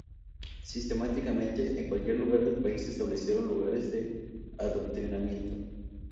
Sistemáticamente, en cualquier lugar del país se establecieron lugares de adoctrinamiento.